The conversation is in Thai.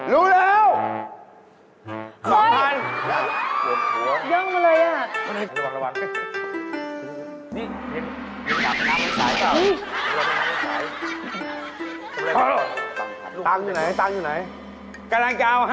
รู้แล้ว